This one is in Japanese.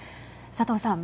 佐藤さん。